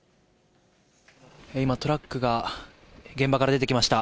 今、トラックが現場から出てきました。